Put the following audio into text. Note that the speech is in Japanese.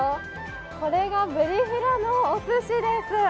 これがブリヒラのおすしです。